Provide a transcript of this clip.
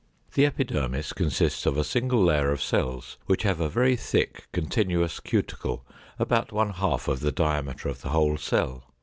The epidermis consists of a single layer of cells which have a very thick continuous cuticle about one half of the diameter of the whole cell.